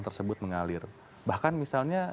tersebut mengalir bahkan misalnya